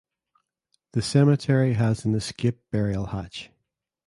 The cemetery has an "escape burial hatch".